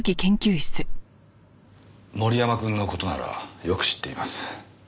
森山くんの事ならよく知っています。